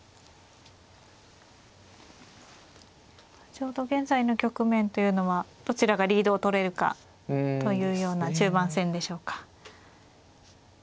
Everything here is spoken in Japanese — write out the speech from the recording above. ちょうど現在の局面というのはどちらがリードをとれるかというような中盤戦でしょうか。